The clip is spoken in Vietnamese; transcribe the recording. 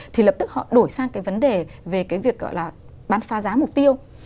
thì lập tức họ đổi sang cái vấn đề về cái việc gọi là bán phá giá mục tiêu